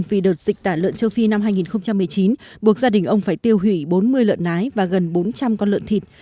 vì đợt dịch tả lợn châu phi năm hai nghìn một mươi chín buộc gia đình ông phải tiêu hủy bốn mươi lợn nái và gần bốn trăm linh con lợn thịt